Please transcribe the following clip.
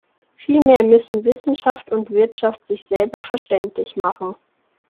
Vielmehr müssen Wissenschaft und Wirtschaft sich selber verständlich machen.